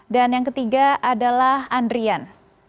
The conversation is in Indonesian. dan yang ketiga adalah andrian